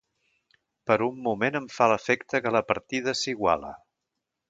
Per un moment em fa l'efecte que la partida s'iguala.